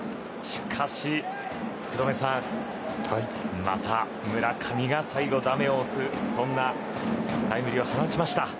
しかし福留さんまた村上が最後ダメを押すそんなタイムリーを放ちました。